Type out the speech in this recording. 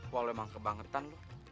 wah lo emang kebangetan lo